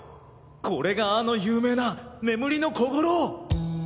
これがあの有名な眠りの小五郎。